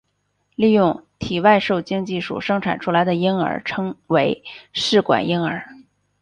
利用体外受精技术生产出来的婴儿称为试管婴儿。